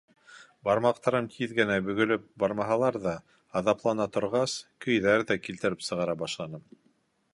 Бармаҡтарым тиҙ генә бөгөлөп бармаһалар ҙа, аҙаплана торғас, көйҙәр ҙә килтереп сығара башланым.